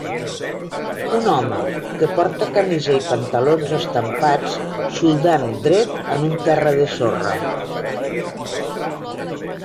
Un home que porta camisa i pantalons estampats soldant dret en un terra de sorra.